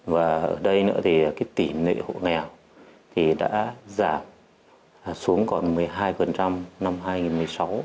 và ở đây nữa thì tỉ nệ hộ nghèo đã giảm xuống còn một mươi hai năm hai nghìn một mươi sáu